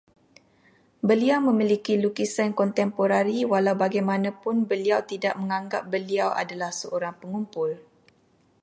Beliau memiliki lukisan kontemporari, walaubagaimanapun beliau tidak menganggap beliau adalah seorang pengumpul